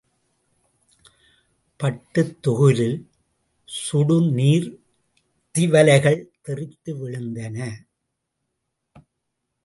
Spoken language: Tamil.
பட்டுத் துகிலில் சுடு நீர்த்திவலைகள் தெறித்து விழுந்தன.